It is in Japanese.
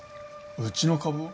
うちの株を？